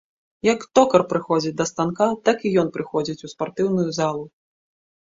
Як токар прыходзіць да станка, так і ён прыходзіць у спартыўную залу.